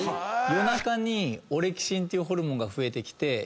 夜中にオレキシンっていうホルモンが増えてきて。